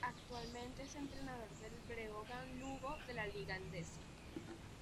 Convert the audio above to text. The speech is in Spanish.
Actualmente es entrenador del Breogán Lugo de la Liga Endesa.